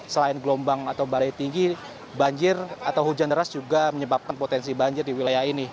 selain gelombang atau barai tinggi banjir atau hujan deras juga menyebabkan potensi banjir di wilayah ini